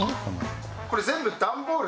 これ全部段ボール？